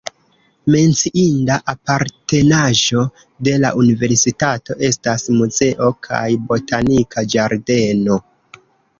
Menciinda apartenaĵo de la universitato estas muzeo kaj botanika ĝardeno.